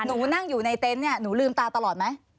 หนูนั่งอยู่ในเต็นต์เนี่ยหนูลืมตาตลอดไหม